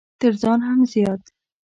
تر ځان هم زيات!